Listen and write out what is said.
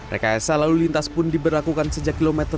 reka esah lalu lintas pun diberlakukan sejak kilometer delapan